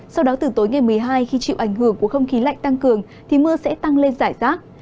sau đó từ tối ngày một mươi hai khi chịu ảnh hưởng của không khí lạnh tăng cường thì mưa sẽ tăng lên giải rác